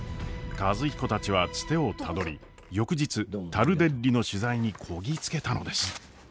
和彦たちはツテをたどり翌日タルデッリの取材にこぎ着けたのです。